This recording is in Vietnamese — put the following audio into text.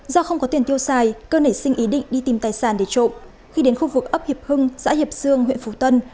do không có tiền tiêu xài cơ nảy sinh ý định đi tìm tài sản để trộm khi đến khu vực ấp hiệp hưng xã hiệp dương huyện phú tân